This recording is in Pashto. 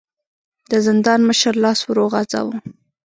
د زندان مشر لاس ور وغځاوه.